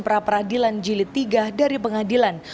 pra peradilan jilid tiga dari pengadilan